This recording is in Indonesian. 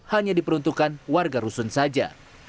hanya diperuntukkan warga rusun saja